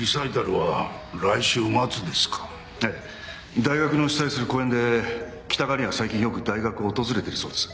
大学の主催する公演で北川凛は最近よく大学を訪れてるそうです。